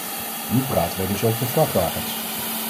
Nu praten wij dus over vrachtwagens.